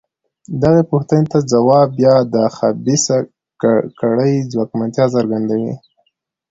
دغې پوښتنې ته ځواب بیا د خبیثه کړۍ ځواکمنتیا څرګندوي.